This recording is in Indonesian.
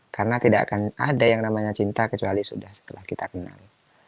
karena tidak akan ada yang namanya cinta kecuali sudah setelah kita kenal